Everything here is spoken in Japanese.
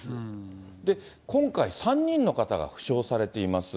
今回、３人の方が負傷されています。